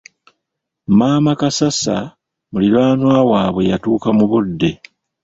Maama Kasasa muliraanwa waabwe yatuuka mu budde.